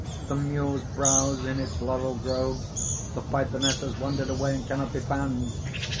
The mules browse in its laurel groves. The Pythoness has wandered away, and cannot be found.